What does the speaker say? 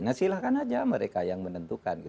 nah silahkan aja mereka yang menentukan